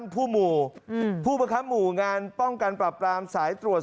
ผู้หมู่พูดค้ามงานป้องการปรับปร่ามสายตรวจ